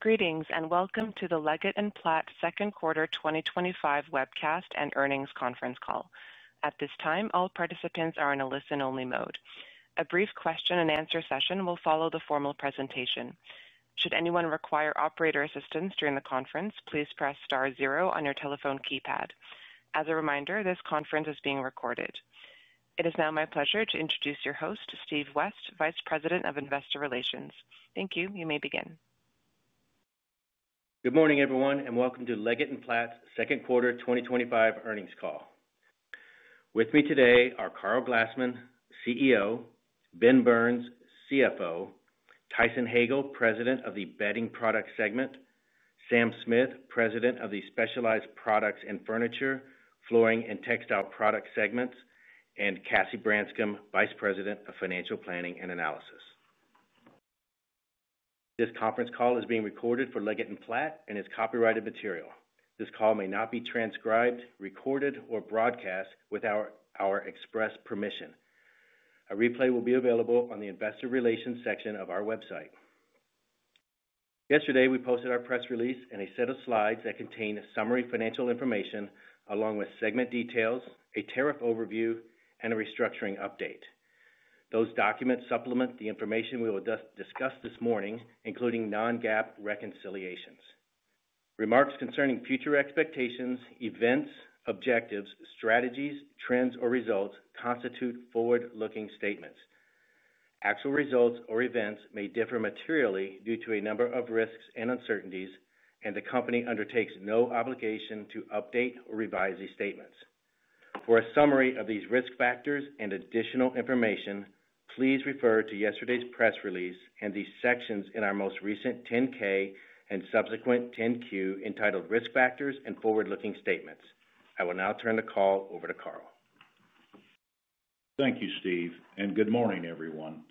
Greetings and welcome to the Leggett & Platt Second Quarter 2025 Webcast and Earnings Conference Call. At this time, all participants are in a listen-only mode. A brief question and answer session will follow the formal presentation. Should anyone require operator assistance during the conference, please press star zero on your telephone keypad. As a reminder, this conference is being recorded. It is now my pleasure to introduce your host, Steve West, Vice President of Investor Relations. Thank you. You may begin. Good morning, everyone, and welcome to Leggett & Platt's Second Quarter 2025 Earnings Call. With me today are Karl Glassman, CEO, Ben Burns, CFO, Tyson Hagale, President of the Bedding Products segment, Sam Smith, President of the Specialized Products and Furniture, Flooring and Textile Products segments, and Cassie Branscum, Vice President of Financial Planning and Analysis. This conference call is being recorded for Leggett & Platt and is copyrighted material. This call may not be transcribed, recorded, or broadcast without our express permission. A replay will be available on the Investor Relations section of our website. Yesterday, we posted our press release and a set of slides that contain summary financial information along with segment details, a tariff overview, and a restructuring update. Those documents supplement the information we will discuss this morning, including non-GAAP reconciliations. Remarks concerning future expectations, events, objectives, strategies, trends, or results constitute forward-looking statements. Actual results or events may differ materially due to a number of risks and uncertainties, and the company undertakes no obligation to update or revise these statements. For a summary of these risk factors and additional information, please refer to yesterday's press release and the sections in our most recent 10-K and subsequent 10-Q entitled "Risk Factors" and "Forward-Looking Statements". I will now turn the call over to Karl. Thank you, Steve, and good morning, everyone.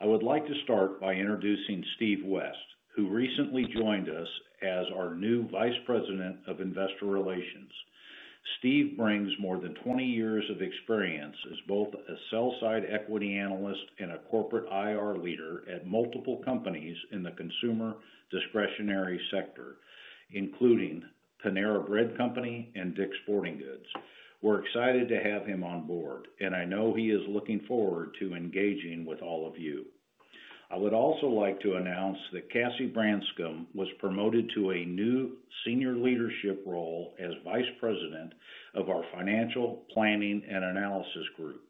I would like to start by introducing Steve West, who recently joined us as our new Vice President of Investor Relations. Steve brings more than 20 years of experience as both a sell-side equity analyst and a corporate IR leader at multiple companies in the consumer discretionary sector, including Panera Bread Company and DICK's Sporting Goods. We're excited to have him on board, and I know he is looking forward to engaging with all of you. I would also like to announce that Cassie Branscum was promoted to a new senior leadership role as Vice President of our Financial Planning and Analysis Group.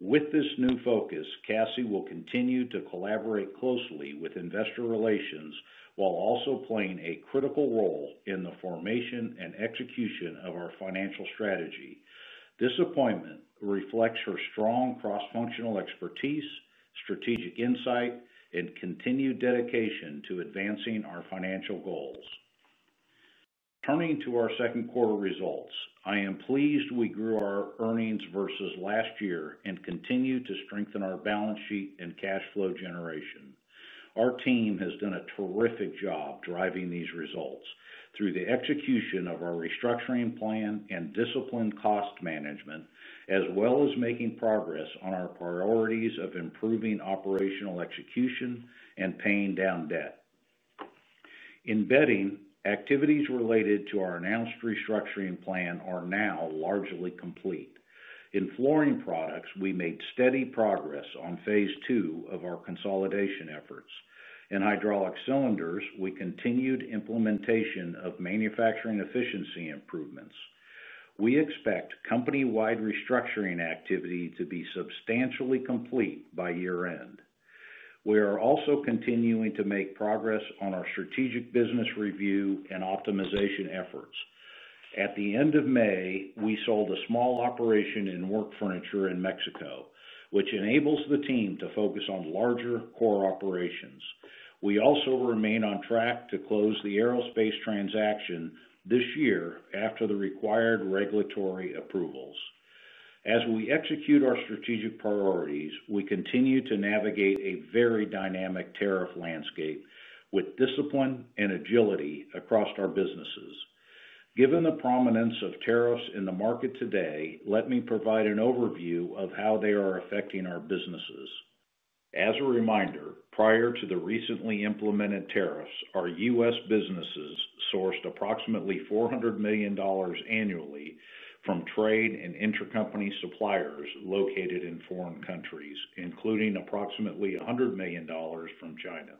With this new focus, Cassie will continue to collaborate closely with investor relations while also playing a critical role in the formation and execution of our financial strategy. This appointment reflects her strong cross-functional expertise, strategic insight, and continued dedication to advancing our financial goals. Coming to our second quarter results, I am pleased we grew our earnings versus last year and continue to strengthen our balance sheet and cash flow generation. Our team has done a terrific job driving these results through the execution of our restructuring plan and disciplined cost management, as well as making progress on our priorities of improving operational execution and paying down debt. In bedding, activities related to our announced restructuring plan are now largely complete. In flooring products, we made steady progress on phase two of our consolidation efforts. In hydraulic cylinders, we continued implementation of manufacturing efficiency improvements. We expect company-wide restructuring activity to be substantially complete by year-end. We are also continuing to make progress on our strategic business review and optimization efforts. At the end of May, we sold a small operation in work furniture in Mexico, which enables the team to focus on larger core operations. We also remain on track to close the aerospace transaction this year after the required regulatory approvals. As we execute our strategic priorities, we continue to navigate a very dynamic tariff landscape with discipline and agility across our businesses. Given the prominence of tariffs in the market today, let me provide an overview of how they are affecting our businesses. As a reminder, prior to the recently implemented tariffs, our U.S. businesses sourced approximately $400 million annually from trade and intercompany suppliers located in foreign countries, including approximately $100 million from China.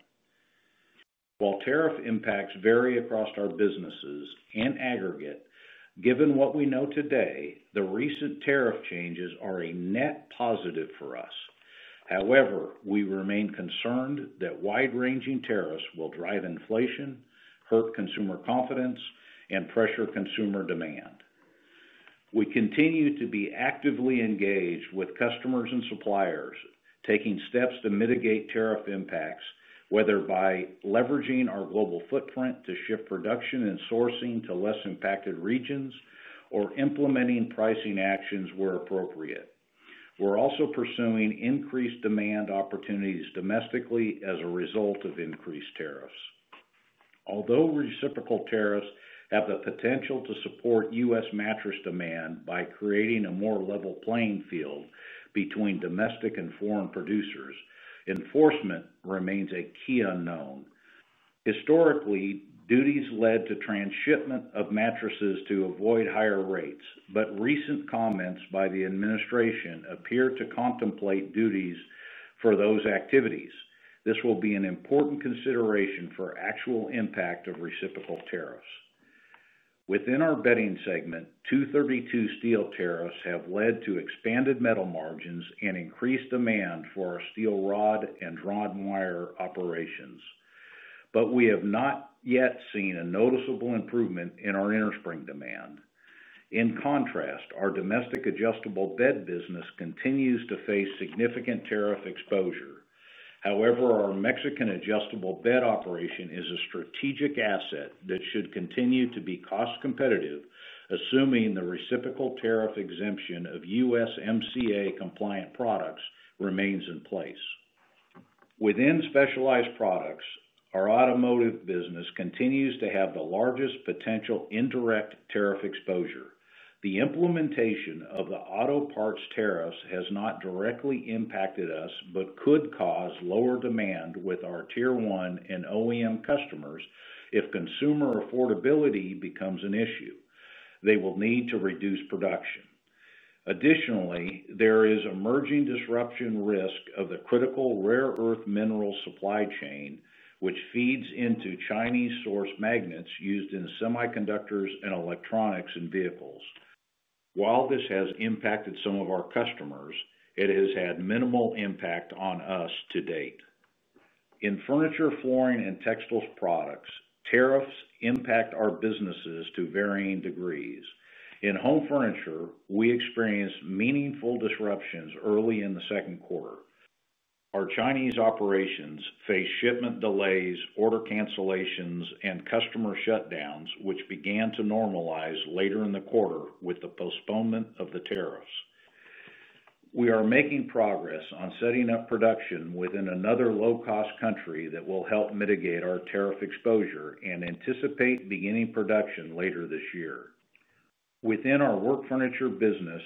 While tariff impacts vary across our businesses and aggregate, given what we know today, the recent tariff changes are a net positive for us. However, we remain concerned that wide-ranging tariffs will drive inflation, hurt consumer confidence, and pressure consumer demand. We continue to be actively engaged with customers and suppliers, taking steps to mitigate tariff impacts, whether by leveraging our global footprint to shift production and sourcing to less impacted regions or implementing pricing actions where appropriate. We're also pursuing increased demand opportunities domestically as a result of increased tariffs. Although reciprocal tariffs have the potential to support U.S. mattress demand by creating a more level playing field between domestic and foreign producers, enforcement remains a key unknown. Historically, duties led to transshipment of mattresses to avoid higher rates, but recent comments by the administration appear to contemplate duties for those activities. This will be an important consideration for the actual impact of reciprocal tariffs. Within our Bedding segment, Section 232 steel tariffs have led to expanded metal margins and increased demand for our steel rod and rod and wire operations, but we have not yet seen a noticeable improvement in our innerspring demand. In contrast, our domestic adjustable bed business continues to face significant tariff exposure. However, our Mexican adjustable bed operation is a strategic asset that should continue to be cost-competitive, assuming the reciprocal tariff exemption of USMCA-compliant products remains in place. Within Specialized Products, our automotive business continues to have the largest potential indirect tariff exposure. The implementation of the auto parts tariffs has not directly impacted us but could cause lower demand with our Tier 1 and OEM customers if consumer affordability becomes an issue. They will need to reduce production. Additionally, there is emerging disruption risk of the critical rare earth mineral supply chain, which feeds into Chinese-sourced magnets used in semiconductors and electronics in vehicles. While this has impacted some of our customers, it has had minimal impact on us to date. In Furniture, Flooring, and Textile Products, tariffs impact our businesses to varying degrees. In Home Furniture, we experienced meaningful disruptions early in the second quarter. Our Chinese operations faced shipment delays, order cancellations, and customer shutdowns, which began to normalize later in the quarter with the postponement of the tariffs. We are making progress on setting up production within another low-cost country that will help mitigate our tariff exposure and anticipate beginning production later this year. Within our Work Furniture business,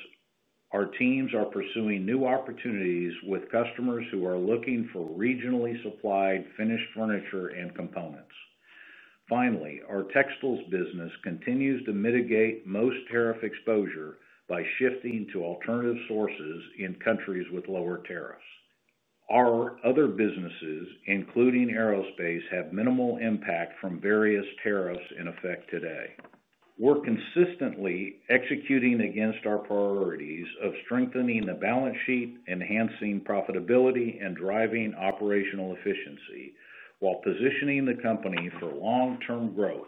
our teams are pursuing new opportunities with customers who are looking for regionally supplied finished furniture and components. Finally, our Textiles business continues to mitigate most tariff exposure by shifting to alternative sources in countries with lower tariffs. Our other businesses, including aerospace, have minimal impact from various tariffs in effect today. We are consistently executing against our priorities of strengthening the balance sheet, enhancing profitability, and driving operational efficiency while positioning the company for long-term growth.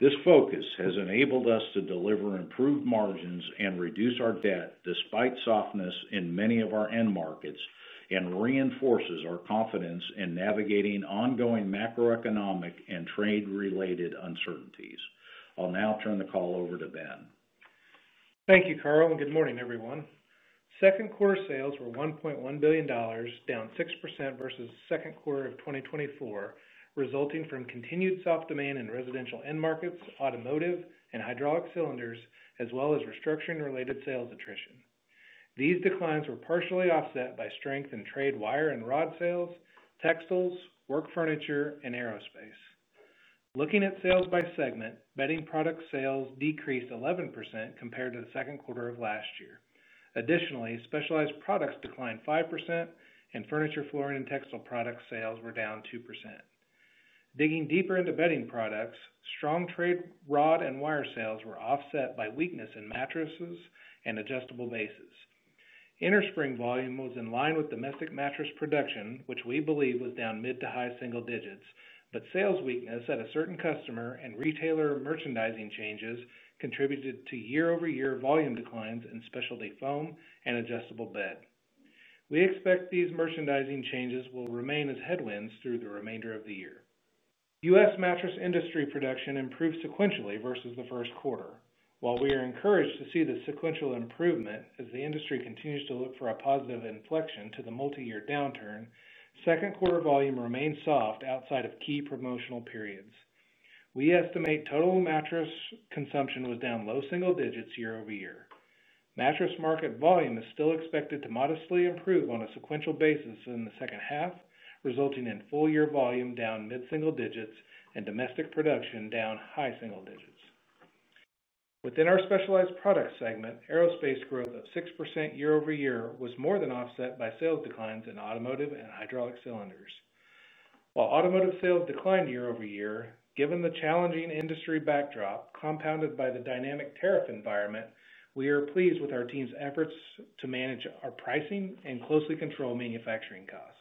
This focus has enabled us to deliver improved margins and reduce our debt despite softness in many of our end markets and reinforces our confidence in navigating ongoing macroeconomic and trade-related uncertainties. I'll now turn the call over to Ben. Thank you, Karl, and good morning, everyone. Second quarter sales were $1.1 billion, down 6% versus the second quarter of 2024, resulting from continued soft demand in residential end markets, automotive, and hydraulic cylinders, as well as restructuring-related sales attrition. These declines were partially offset by strength in trade wire and rod sales, textiles, work furniture, and aerospace. Looking at sales by segment, Bedding Products sales decreased 11% compared to the second quarter of last year. Additionally, Specialized Products declined 5%, and Furniture, Flooring and Textile Products sales were down 2%. Digging deeper into Bedding Products, strong trade rod and wire sales were offset by weakness in mattresses and adjustable bases. Innerspring volume was in line with domestic mattress production, which we believe was down mid to high single digits, but sales weakness at a certain customer and retailer merchandising changes contributed to year-over-year volume declines in specialty foam and adjustable bed. We expect these merchandising changes will remain as headwinds through the remainder of the year. U.S. mattress industry production improved sequentially versus the first quarter. While we are encouraged to see this sequential improvement as the industry continues to look for a positive inflection to the multi-year downturn, second quarter volume remains soft outside of key promotional periods. We estimate total mattress consumption was down low single digits year-over-year. Mattress market volume is still expected to modestly improve on a sequential basis in the second half, resulting in full-year volume down mid-single digits and domestic production down high single digits. Within our Specialized Products segment, aerospace growth of 6% year-over-year was more than offset by sales declines in automotive and hydraulic cylinders. While automotive sales declined year-over-year, given the challenging industry backdrop compounded by the dynamic tariff environment, we are pleased with our team's efforts to manage our pricing and closely control manufacturing costs.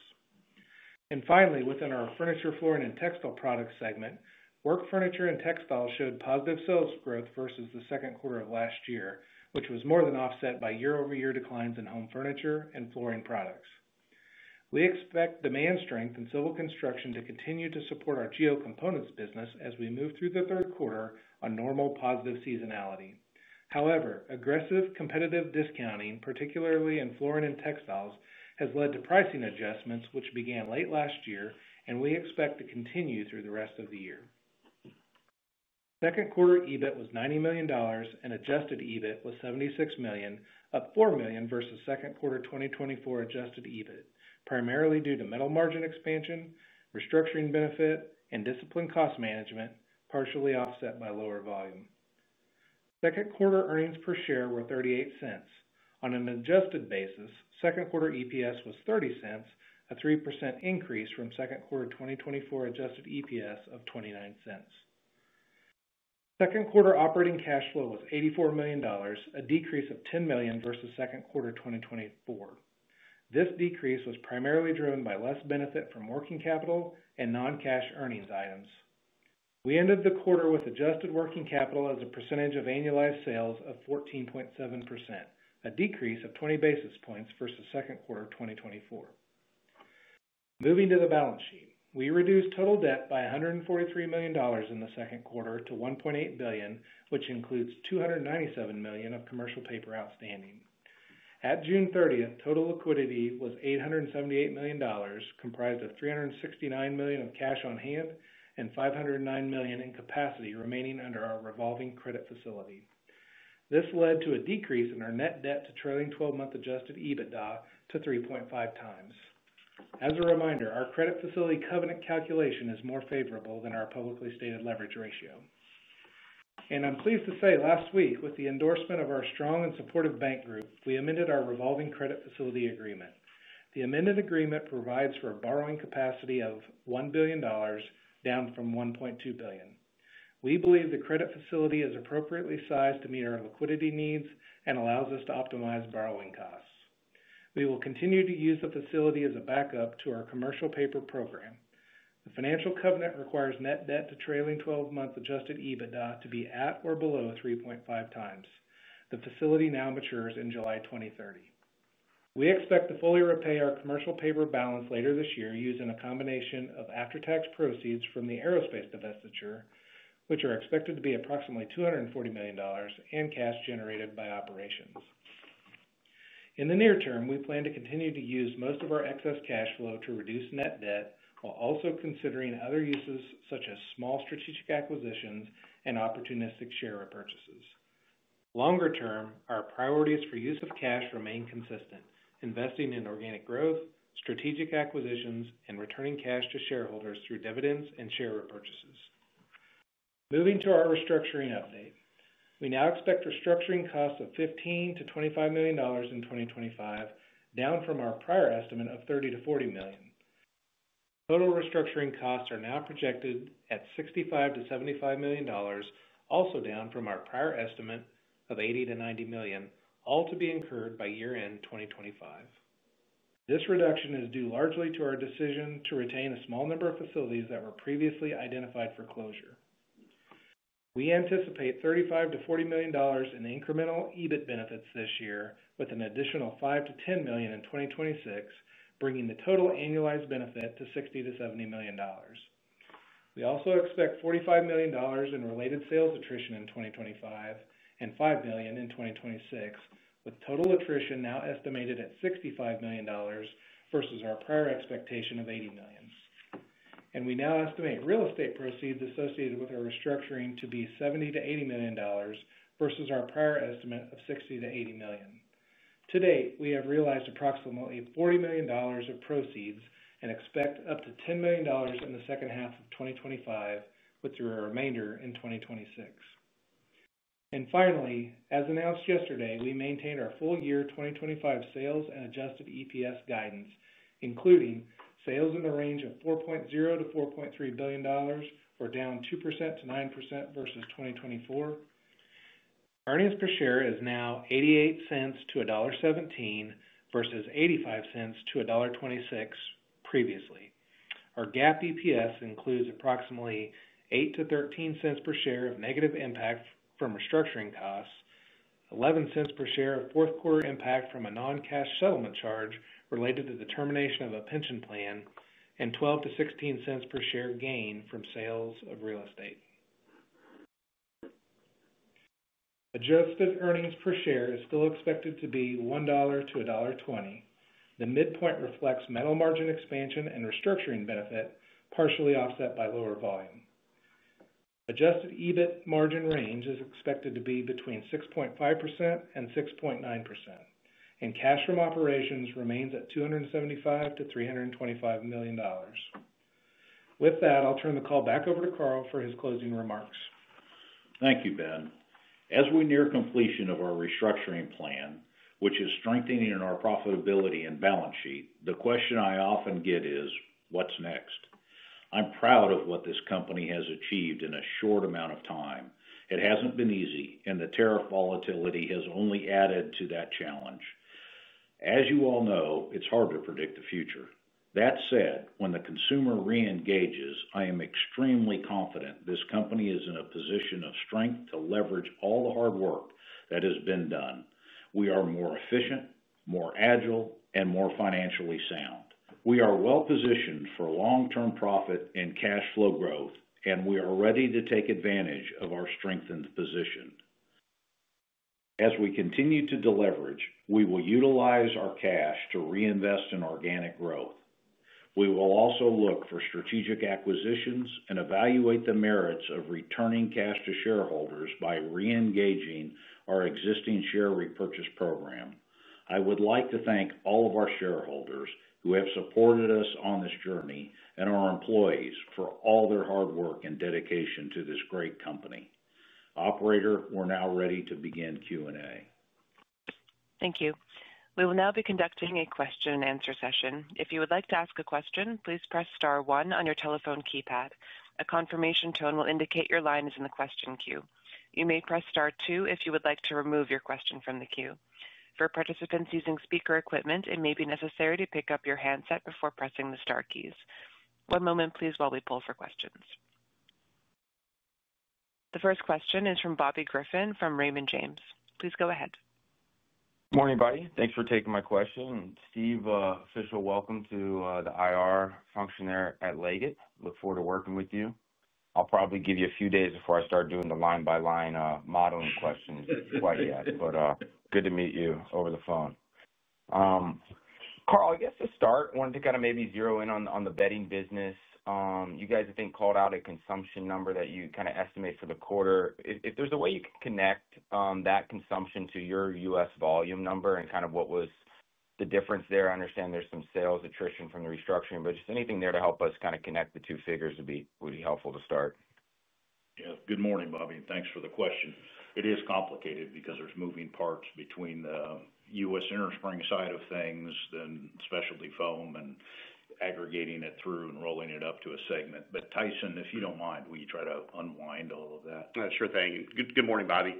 And finally, within our Furniture, Flooring and Textile Products segment, work furniture and textiles showed positive sales growth versus the second quarter of last year, which was more than offset by year-over-year declines in home furniture and flooring products. We expect demand strength in civil construction to continue to support our geo components business as we move through the third quarter on normal positive seasonality. However, aggressive, competitive discounting, particularly in flooring and textiles, has led to pricing adjustments, which began late last year, and we expect to continue through the rest of the year. Second quarter EBIT was $90 million and adjusted EBIT was $76 million, up $4 million versus second quarter 2024 adjusted EBIT, primarily due to metal margin expansion, restructuring benefit, and disciplined cost management, partially offset by lower volume. Second quarter earnings per share were $0.38. On an adjusted basis, second-quarter EPS was $0.30, a 3% increase from second-quarter 2024 adjusted EPS of $0.29. Second quarter operating cash flow was $84 million, a decrease of $10 million versus second quarter 2024. This decrease was primarily driven by less benefit from working capital and non-cash earnings items. We ended the quarter with adjusted working capital as a percentage of annualized sales of 14.7%, a decrease of 20 basis points versus second quarter 2024. Moving to the balance sheet, we reduced total debt by $143 million in the second quarter to $1.8 billion, which includes $297 million of commercial paper outstanding. At June 30th, total liquidity was $878 million, comprised of $369 million of cash on hand and $509 million in capacity remaining under our revolving credit facility. This led to a decrease in our net debt to trailing 12-month adjusted EBITDA to 3.5x. As a reminder, our credit facility covenant calculation is more favorable than our publicly stated leverage ratio. And I am pleased to say last week, with the endorsement of our strong and supportive bank group, we amended our revolving credit facility agreement. The amended agreement provides for a borrowing capacity of $1 billion, down from $1.2 billion. We believe the credit facility is appropriately sized to meet our liquidity needs and allows us to optimize borrowing costs. We will continue to use the facility as a backup to our commercial paper program. The financial covenant requires net debt to trailing 12-month adjusted EBITDA to be at or below 3.5x. The facility now matures in July 2030. We expect to fully repay our commercial paper balance later this year using a combination of after-tax proceeds from the aerospace divestiture, which are expected to be approximately $240 million, and cash generated by operations. In the near term, we plan to continue to use most of our excess cash flow to reduce net debt while also considering other uses such as small strategic acquisitions and opportunistic share repurchases. Longer term, our priorities for use of cash remain consistent: investing in organic growth, strategic acquisitions, and returning cash to shareholders through dividends and share repurchases. Moving to our restructuring update, we now expect restructuring costs of $15 million-$25 million in 2025, down from our prior estimate of $30 million-$40 million. Total restructuring costs are now projected at $65 million-$75 million, also down from our prior estimate of $80 million-$90 million, all to be incurred by year-end 2025. This reduction is due largely to our decision to retain a small number of facilities that were previously identified for closure. We anticipate $35 million-$40 million in incremental EBIT benefits this year, with an additional $5 million-$10 million in 2026, bringing the total annualized benefit to $60 million-$70 million. We also expect $45 million in related sales attrition in 2025 and $5 billion in 2026, with total attrition now estimated at $65 million versus our prior expectation of $80 million. We now estimate real estate proceeds associated with our restructuring to be $70 million-$80 million versus our prior estimate of $60 million-$80 million. To date, we have realized approximately $40 million of proceeds and expect up to $10 million in the second half of 2025, with the remainder in 2026. Finally, as announced yesterday, we maintained our full-year 2025 sales and adjusted EPS guidance, including sales in the range of $4.0 billion-$4.3 billion, or down 2%-9% versus 2024. Earnings per share is now $0.88-$1.17 versus $0.85-$1.26 previously. Our GAAP EPS includes approximately $0.08-$0.13 per share of negative impact from restructuring costs, $0.11 per share of fourth quarter impact from a non-cash settlement charge related to the termination of a pension plan, and $0.12-$0.16 per share gain from sales of real estate. Adjusted earnings per share is still expected to be $1.00-$1.20. The midpoint reflects metal margin expansion and restructuring benefit, partially offset by lower volume. Adjusted EBIT margin range is expected to be between 6.5% and 6.9%, and cash from operations remains at $275 million-$325 million. With that, I'll turn the call back over to Karl for his closing remarks. Thank you, Ben. As we near completion of our restructuring plan, which is strengthening our profitability and balance sheet, the question I often get is, What's next? I'm proud of what this company has achieved in a short amount of time. It hasn't been easy, and the tariff volatility has only added to that challenge. As you all know, it's hard to predict the future. That said, when the consumer re-engages, I am extremely confident this company is in a position of strength to leverage all the hard work that has been done. We are more efficient, more agile, and more financially sound. We are well-positioned for long-term profit and cash flow growth, and we are ready to take advantage of our strengthened position. As we continue to deleverage, we will utilize our cash to reinvest in organic growth. We will also look for strategic acquisitions and evaluate the merits of returning cash to shareholders by re-engaging our existing share repurchase program. I would like to thank all of our shareholders who have supported us on this journey and our employees for all their hard work and dedication to this great company. Operator, we're now ready to begin Q&A. Thank you. We will now be conducting a question and answer session. If you would like to ask a question, please press star one on your telephone keypad. A confirmation tone will indicate your line is in the question queue. You may press star two if you would like to remove your question from the queue. For participants using speaker equipment, it may be necessary to pick up your handset before pressing the star keys. One moment, please, while we pull for questions. The first question is from Bobby Griffin from Raymond James. Please go ahead. Morning, Bobby. Thanks for taking my question. And Steve, official welcome to the IR function there at Leggett. Look forward to working with you. I'll probably give you a few days before I start doing the line-by-line modeling questions quite yet, but good to meet you over the phone. Karl, I guess to start, I wanted to maybe zero in on the bedding business. You guys, I think, called out a consumption number that you can estimate for the quarter. If there's a way you can connect that consumption to your U.S. volume number and kind of what was the difference there, I understand there's some sales attrition from the restructuring, but anything there to help us connect the two figures would be helpful to start. Yeah, good morning, Bobby. Thanks for the question. It is complicated because there's moving parts between the U.S. inner spring side of things, then specialty foam, and aggregating it through and rolling it up to a segment. Tyson, if you don't mind, will you try to unwind all of that? Sure thing. Good morning, Bobby.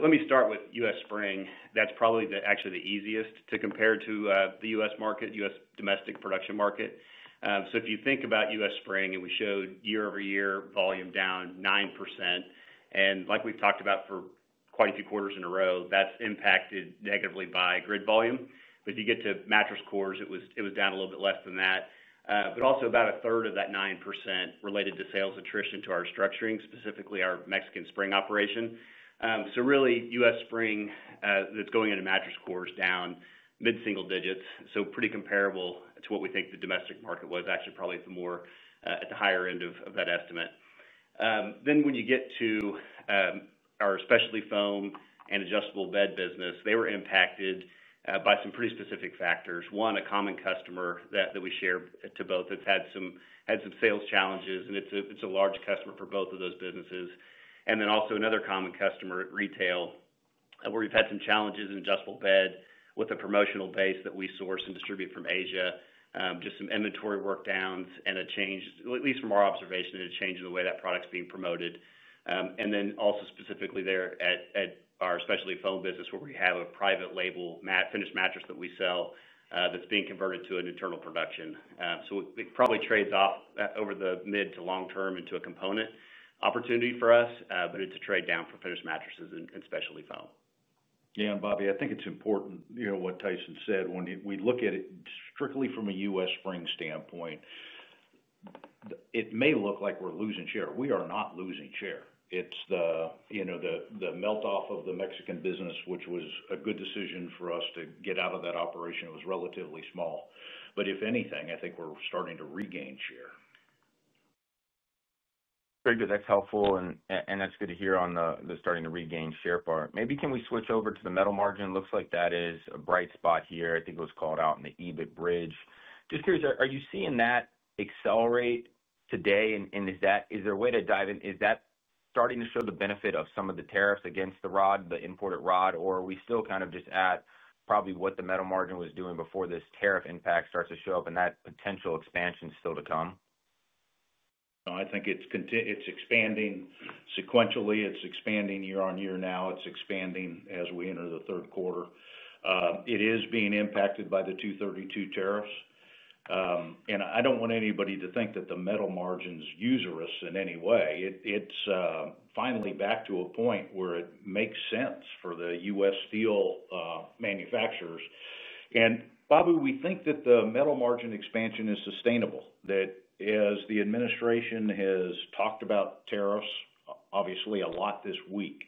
Let me start with U.S. spring. That's probably actually the easiest to compare to the U.S. market, U.S. domestic production market. If you think about U.S. spring, and we showed year-over-year volume down 9%, and like we've talked about for quite a few quarters in a row, that's impacted negatively by grid volume. If you get to mattress cores, it was down a little bit less than that. But also, about a third of that 9% related to sales attrition to our restructuring, specifically our Mexican spring operation. So, really U.S. spring that's going into mattress cores is down mid-single digits, so pretty comparable to what we think the domestic market was, actually probably at the higher end of that estimate. Then when you get to our specialty foam and adjustable bed business, they were impacted by some pretty specific factors. One, a common customer that we share to both that's had some sales challenges, and it's a large customer for both of those businesses. And also, another common customer, retail, where we've had some challenges in adjustable bed with a promotional base that we source and distribute from Asia, just some inventory work downs and a change, at least from our observation, a change in the way that product's being promoted. And then also, specifically there at our specialty foam business where we have a private label finished mattress that we sell that's being converted to an internal production. So it probably trades off over the mid to long term into a component opportunity for us, but it's a trade down for finished mattresses and specialty foam. Yeah, and Bobby, I think it's important, you know, what Tyson said, when we look at it strictly from a U.S. spring standpoint, it may look like we're losing share. We are not losing share. It's the, you know, the melt-off of the Mexico business, which was a good decision for us to get out of that operation. It was relatively small. But if anything, I think we're starting to regain share. Very good. That's helpful, and that's good to hear on the starting to regain share part. Maybe can we switch over to the metal margin? Looks like that is a bright spot here. I think it was called out in the EBIT bridge. Just curious, are you seeing that accelerate today? Is there a way to dive in? Is that starting to show the benefit of some of the tariffs against the rod, the imported rod, or are we still kind of just at probably what the metal margin was doing before this tariff impact starts to show up and that potential expansion still to come? No, I think it's expanding sequentially. It's expanding year-on-year now. It's expanding as we enter the third quarter. It is being impacted by the Section 232 tariffs. And I don't want anybody to think that the metal margin's usurious in any way. It's finally back to a point where it makes sense for the U.S. steel manufacturers. And, Bobby, we think that the metal margin expansion is sustainable. As the administration has talked about tariffs, obviously a lot this week,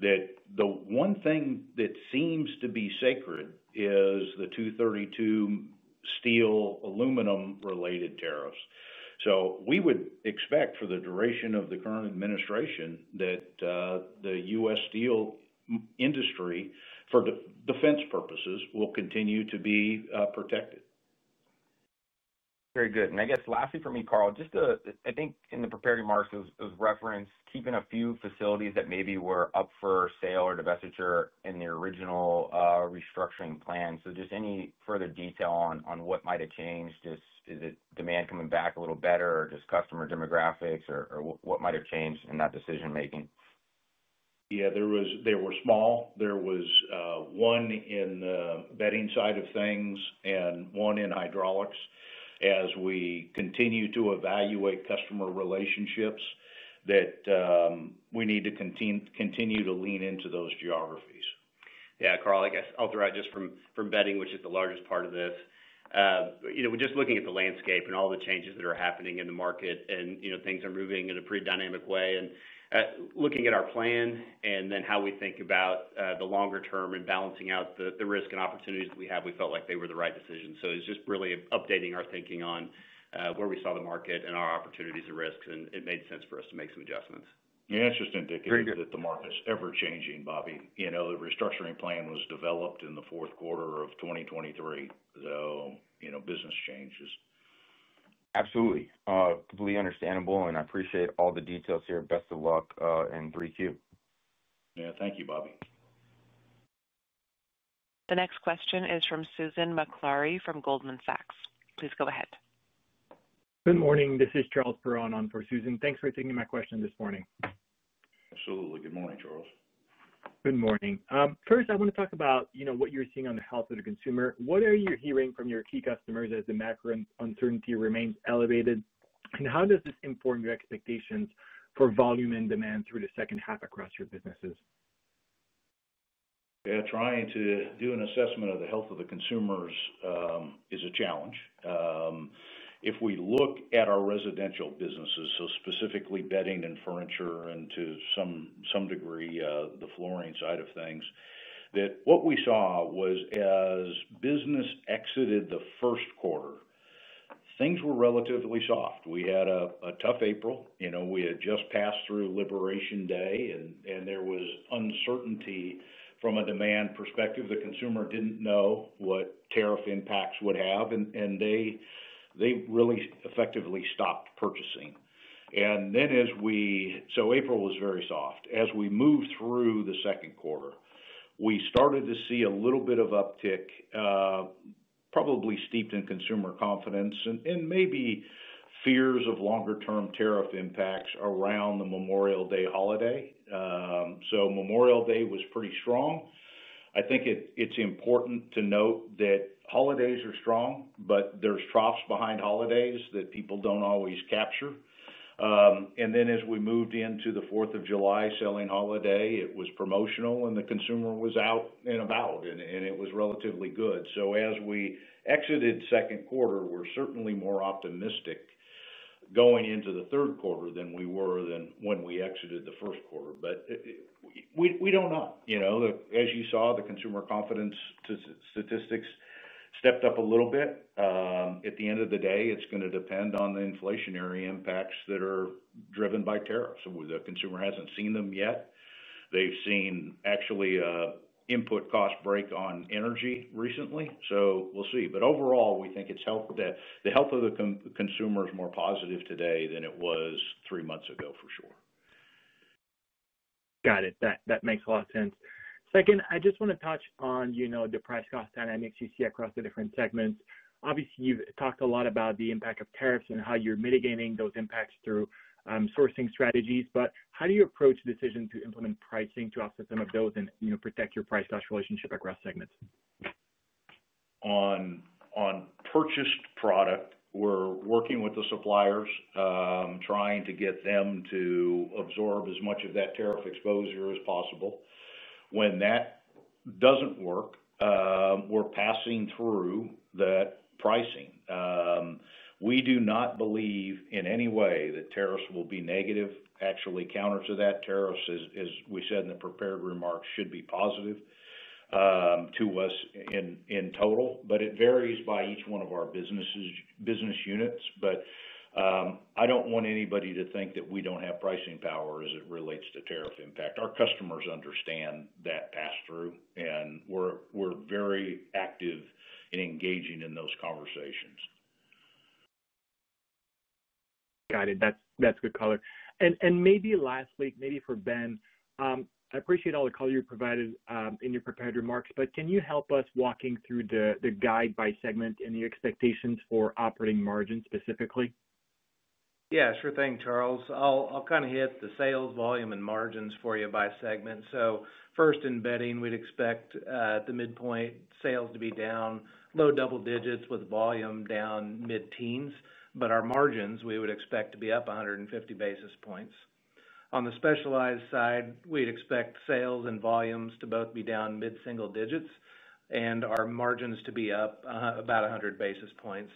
the one thing that seems to be sacred is the Section 232 steel aluminum-related tariffs. So we would expect for the duration of the current administration that the U.S. steel industry, for defense purposes, will continue to be protected. Very good. Lastly for me, Karl, just to, I think in the prepared remarks was referenced keeping a few facilities that maybe were up for sale or divestiture in the original restructuring plan. Just any further detail on what might have changed? Is the demand coming back a little better or just customer demographics or what might have changed in that decision-making? Yeah, they were small. There was one in the bedding side of things and one in hydraulics. As we continue to evaluate customer relationships, that we need to continue to lean into those geographies. Yeah, Karl, I guess I'll throw out just from bedding, which is the largest part of this. We're just looking at the landscape and all the changes that are happening in the market, and things are moving in a pretty dynamic way. Looking at our plan and then how we think about the longer term and balancing out the risk and opportunities that we have, we felt like they were the right decision. So it was just really updating our thinking on where we saw the market and our opportunities and risks, and it made sense for us to make some adjustments. Yeah, it's just indicative that the market's ever-changing, Bobby. You know the restructuring plan was developed in the fourth quarter of 2023, so business changes. Absolutely. Completely understandable, and I appreciate all the details here. Best of luck and break you. Yeah, thank you, Bobby. The next question is from Susan Maklari from Goldman Sachs. Please go ahead. Good morning. This is Charles Perron on for Susan. Thanks for taking my question this morning. Absolutely. Good morning, Charles. Good morning. First, I want to talk about what you're seeing on the health of the consumer. What are you hearing from your key customers as the macro uncertainty remains elevated? How does this inform your expectations for volume and demand through the second half across your businesses? Yeah, trying to do an assessment of the health of the consumer is a challenge. If we look at our residential businesses, so specifically bedding and furniture and to some degree, the flooring side of things, what we saw was as business exited the first quarter, things were relatively soft. We had a tough April. You know we had just passed through Liberation Day, and there was uncertainty from a demand perspective. The consumer didn't know what tariff impacts would have, and they really effectively stopped purchasing. And then as we, April was very soft. As we moved through the second quarter, we started to see a little bit of uptick, probably steeped in consumer confidence and maybe fears of longer-term tariff impacts around the Memorial Day holiday. So, Memorial Day was pretty strong. I think it's important to note that holidays are strong, but there's troughs behind holidays that people don't always capture. Then, as we moved into the 4th of July selling holiday, it was promotional and the consumer was out and about, and it was relatively good. So, as we exited second quarter, we're certainly more optimistic going into the third quarter than we were when we exited the first quarter. We don't know. As you saw, the consumer confidence statistics stepped up a little bit. At the end of the day, it's going to depend on the inflationary impacts that are driven by tariffs. The consumer hasn't seen them yet. They've seen actually input cost break on energy recently. So, we'll see. But overall, we think it's helpful that the health of the consumer is more positive today than it was three months ago, for sure. Got it. That makes a lot of sense. Second, I just want to touch on the price cost dynamics you see across the different segments. Obviously, you've talked a lot about the impact of tariffs and how you're mitigating those impacts through sourcing strategies, but how do you approach decisions to implement pricing to offset some of those and protect your price-to-cost relationship across segments? On purchased product, we're working with the suppliers, trying to get them to absorb as much of that tariff exposure as possible. When that doesn't work, we're passing through that pricing. We do not believe in any way that tariffs will be negative. Actually, counter to that, tariffs, as we said in the prepared remarks, should be positive to us in total, but it varies by each one of our business units. But, I don't want anybody to think that we don't have pricing power as it relates to tariff impact. Our customers understand that pass-through, and we're very active in engaging in those conversations. Got it. That's good color. Maybe lastly, maybe for Ben, I appreciate all the color you provided in your prepared remarks, but can you help us walking through the guide by segment and the expectations for operating margin specifically? Yeah, sure thing, Charles. I'll kind of hit the sales volume and margins for you by segment. First, in bedding, we'd expect at the midpoint sales to be down low double digits with volume down mid-teens, but our margins we would expect to be up 150 basis points. On the specialized side, we'd expect sales and volumes to both be down mid-single digits and our margins to be up about 100 basis points.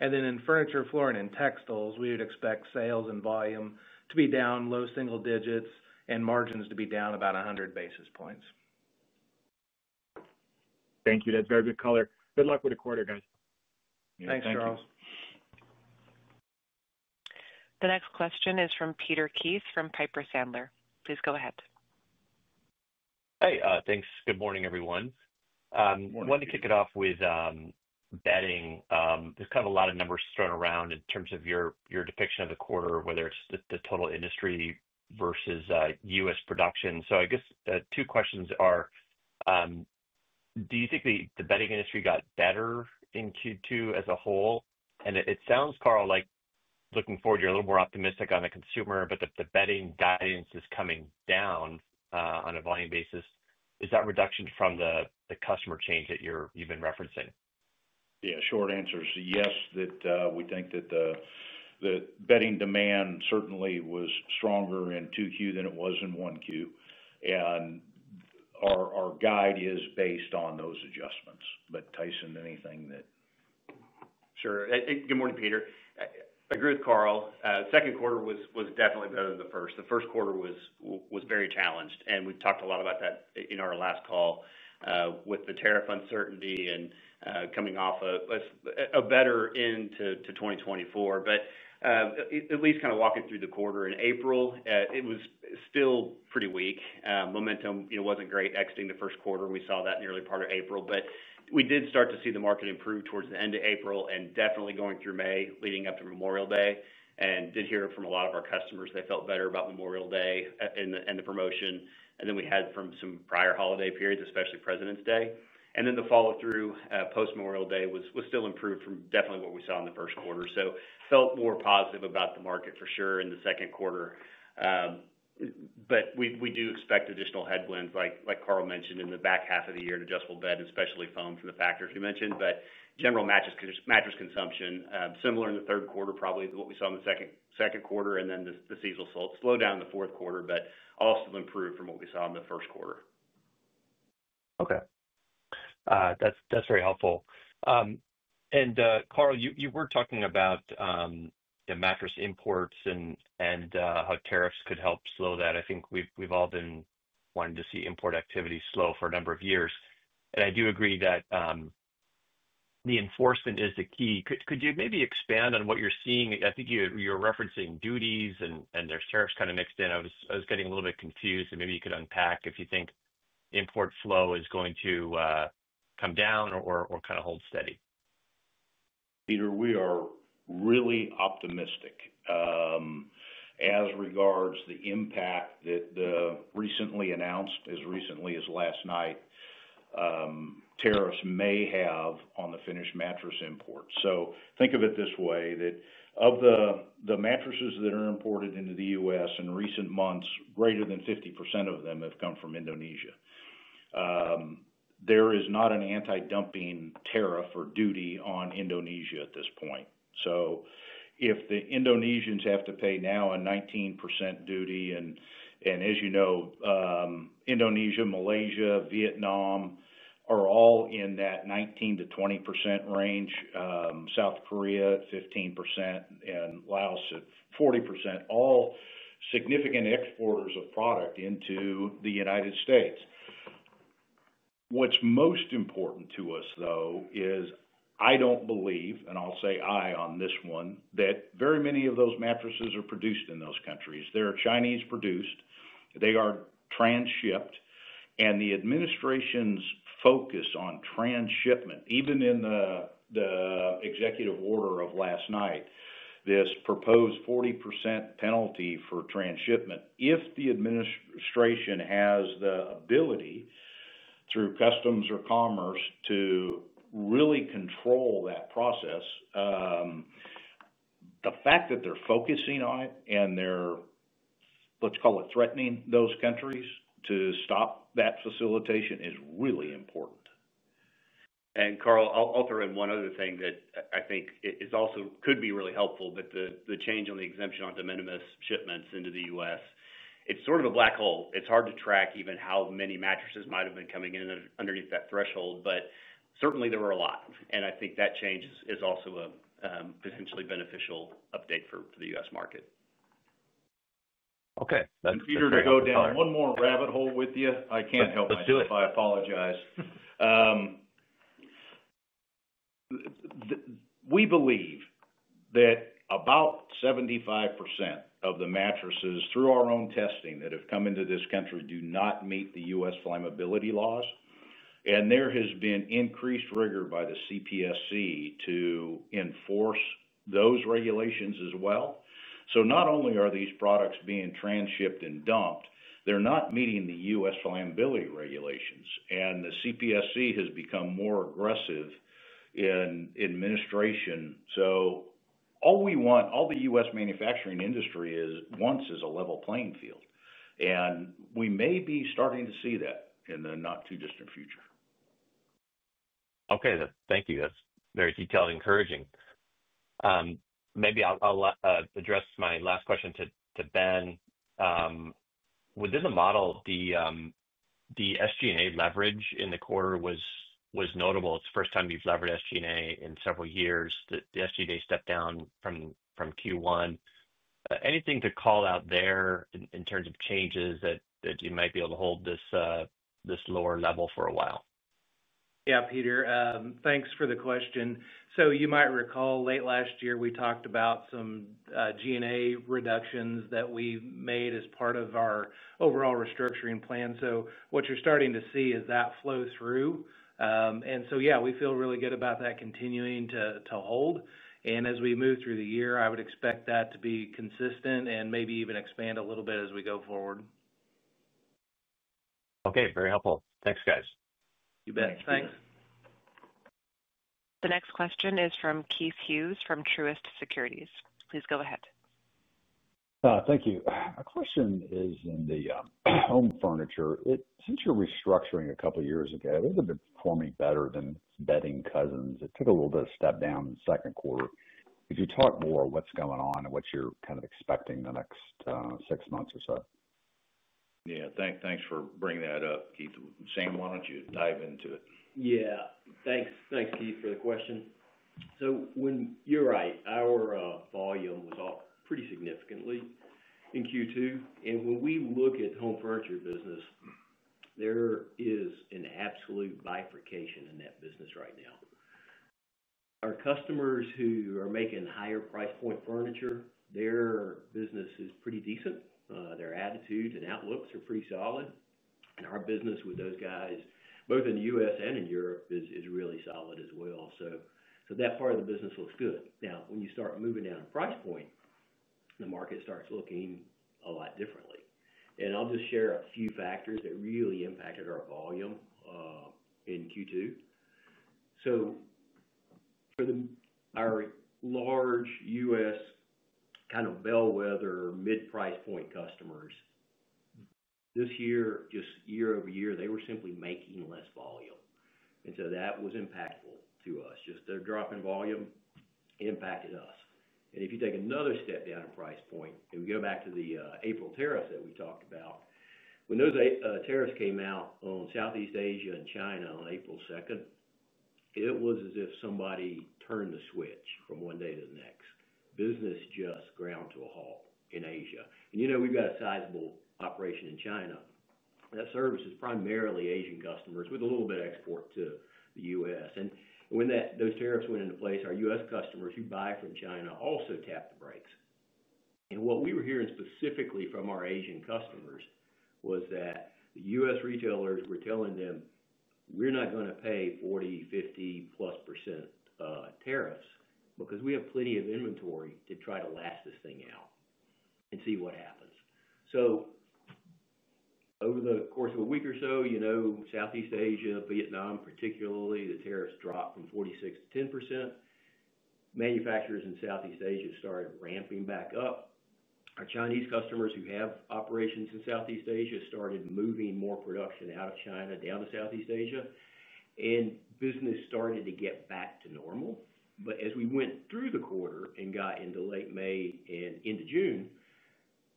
And then in furniture, flooring, and textiles, we would expect sales and volume to be down low single digits and margins to be down about 100 basis points. Thank you. That's very good color. Good luck with the quarter, guys. [crosstalk-Thanks, Charles.] The next question is from Peter Keith from Piper Sandler. Please go ahead. Hey, thanks. Good morning, everyone. I wanted to kick it off with bedding. There's kind of a lot of numbers thrown around in terms of your depiction of the quarter, whether it's the total industry versus U.S. production. So, I guess two questions are, do you think the bedding industry got better in Q2 as a whole? It sounds, Karl, like looking forward, you're a little more optimistic on the consumer, but the bedding guidance is coming down on a volume basis. Is that a reduction from the customer change that you're even referencing? Yeah, short answer is yes, we think that the bedding demand certainly was stronger in 2Q than it was in 1Q. And our guide is based on those adjustments. Tyson, anything that? Sure. Good morning, Peter. I agree with Karl. Second quarter was definitely better than the first. The first quarter was very challenged, and we talked a lot about that in our last call with the tariff uncertainty and coming off a better end to 2024. At least kind of walking through the quarter in April, it was still pretty weak. Momentum wasn't great exiting the first quarter, and we saw that in the early part of April. We did start to see the market improve towards the end of April and definitely going through May leading up to Memorial Day. We did hear it from a lot of our customers. They felt better about Memorial Day and the promotion than we had from some prior holiday periods, especially Presidents' Day. The follow-through post-Memorial Day was still improved from definitely what we saw in the first quarter. Felt more positive about the market for sure in the second quarter. But we do expect additional headwinds, like Karl mentioned, in the back half of the year in adjustable bed and especially foam from the factors we mentioned. General mattress consumption similar in the third quarter, probably to what we saw in the second quarter. The seasonal slowdown in the fourth quarter, but also improved from what we saw in the first quarter. Okay. That's very helpful. Karl, you were talking about the mattress imports and how tariffs could help slow that. I think we've all been wanting to see import activity slow for a number of years. I do agree that the enforcement is the key. Could you maybe expand on what you're seeing? I think you're referencing duties and there's tariffs kind of mixed in. I was getting a little bit confused, and maybe you could unpack if you think import flow is going to come down or kind of hold steady. Peter, we are really optimistic as regards the impact that the recently announced, as recently as last night, tariffs may have on the finished mattress imports. Think of it this way, that of the mattresses that are imported into the U.S. in recent months, greater than 50% of them have come from Indonesia. There is not an anti-dumping tariff or duty on Indonesia at this point. So, if the Indonesians have to pay now a 19% duty, and as you know, Indonesia, Malaysia, Vietnam are all in that 19%-20% range, South Korea at 15%, and Laos at 40%, all significant exporters of product into the United States. What's most important to us, though, is I don't believe, and I'll say I on this one, that very many of those mattresses are produced in those countries. They're Chinese-produced. They are trans-shipped. And the administration's focus on trans-shipment, even in the executive order of last night, this proposed 40% penalty for trans-shipment, if the administration has the ability through customs or commerce to really control that process, the fact that they're focusing on it and they're, let's call it, threatening those countries to stop that facilitation is really important. And, Karl, I'll throw in one other thing that I think could be really helpful. The change on the exemption on de minimis shipments into the U.S., it's sort of a black hole. It's hard to track even how many mattresses might have been coming in underneath that threshold, but certainly there were a lot of, and I think that change is also a potentially beneficial update for the U.S. market. [crosstalk-Okay. Peter, to go down one more rabbit hole with you, I can't help myself, so I apologize.] We believe that about 75% of the mattresses through our own testing that have come into this country do not meet the U.S. flammability laws, and there has been increased rigor by the CPSC to enforce those regulations as well. Not only are these products being trans-shipped and dumped, they're not meeting the U.S. flammability regulations, and the CPSC has become more aggressive in administration. So, all we want, all the U.S. manufacturing industry wants, is a level playing field. We may be starting to see that in the not-too-distant future. Okay, thank you. That's very detailed and encouraging. Maybe I'll address my last question to Ben. Within the model, the SG&A leverage in the quarter was notable. It's the first time we've leveraged SG&A in several years. The SG&A stepped down from Q1. Anything to call out there in terms of changes that you might be able to hold this lower level for a while? Peter, thanks for the question. So, you might recall late last year, we talked about some G&A reductions that we made as part of our overall restructuring plan. So, what you're starting to see is that flow through. We feel really good about that continuing to hold. As we move through the year, I would expect that to be consistent and maybe even expand a little bit as we go forward. Okay, very helpful. Thanks, guys. You bet. Thanks. The next question is from Keith Hughes from Truist Securities. Please go ahead. Thank you. Our question is in the home furniture. Since your restructuring a couple of years ago, those have been performing better than bedding cousins. It took a little bit of a step down in the second quarter. Could you talk more about what's going on and what you're kind of expecting in the next six months or so? Yeah, thanks for bringing that up, Keith. Sam, why don't you dive into it? Yeah, thanks, thanks Keith for the question. So, you're right, our volume was up pretty significantly in Q2. When we look at the home furniture business, there is an absolute bifurcation in that business right now. Our customers who are making higher price point furniture, their business is pretty decent. Their attitudes and outlooks are pretty solid. Our business with those guys, both in the U.S. and in Europe, is really solid as well. So, that part of the business looks good. When you start moving down a price point, the market starts looking a lot differently. I'll just share a few factors that really impacted our volume in Q2. So, for our large U.S. kind of bellwether mid-price point customers, this year, just year-over-year, they were simply making less volume. That was impactful to us. Their drop in volume impacted us. If you take another step down in price point, and we go back to the April tariffs that we talked about, when those tariffs came out on Southeast Asia and China on April 2nd, it was as if somebody turned the switch from one day to the next. Business just ground to a halt in Asia. We've got a sizable operation in China that serves primarily Asian customers with a little bit of export to the U.S. When those tariffs went into place, our U.S. customers who buy from China also tapped the brakes. And what we were hearing specifically from our Asian customers was that the U.S. retailers were telling them, "We're not going to pay 40, 50+% tariffs because we have plenty of inventory to try to last this thing out and see what happens." So, over the course of a week or so, Southeast Asia, Vietnam particularly, the tariffs dropped from 46%-10%. Manufacturers in Southeast Asia started ramping back up. Our Chinese customers who have operations in Southeast Asia started moving more production out of China down to Southeast Asia. And business started to get back to normal. As we went through the quarter and got into late May and into June,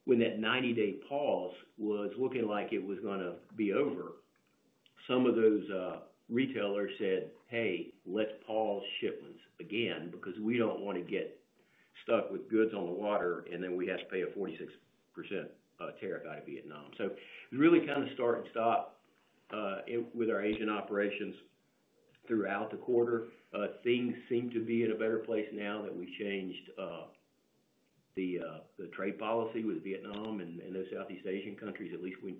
when that 90-day pause was looking like it was going to be over, some of those retailers said, "Hey, let's pause shipments again because we don't want to get stuck with goods on the water and then we have to pay a 46% tariff out of Vietnam." So, it was really kind of a start and stop with our Asian operations throughout the quarter. Things seem to be in a better place now that we've changed the trade policy with Vietnam and those Southeast Asian countries. At least we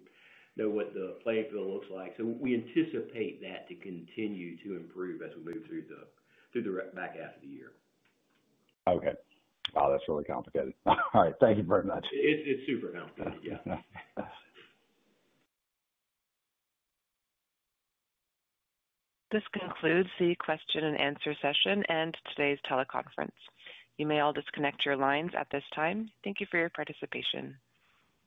know what the playing field looks like. We anticipate that to continue to improve as we move through the back half of the year. Okay. Wow, that's really complicated. All right, thank you very much. It's super complicated. Yeah. This concludes the question and answer session and today's teleconference. You may all disconnect your lines at this time. Thank you for your participation.